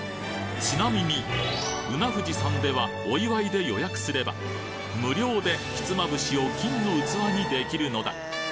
ちなみに、うな富士さんでは、お祝いで予約すれば、無料で、ひつまぶしを金の器にできるのだ。